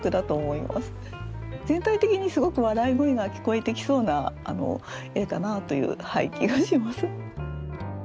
全体的にすごく笑い声が聞こえてきそうな画だなという気がします。